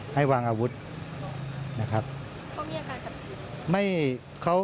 เขามีอาการให้หยุด